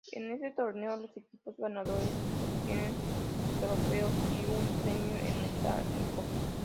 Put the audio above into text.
En este torneo, los equipos ganadores obtienen trofeos y un premio en metálico.